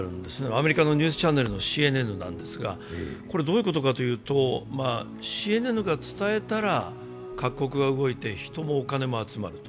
アメリカのニュースチャンネルのＣＮＮですが、これどういうことかというとＣＮＮが伝えたら各国が動いて、人もお金も集まる。